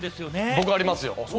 僕、ありますよ。